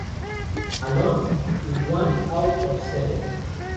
Malone" y "One Out of Seven.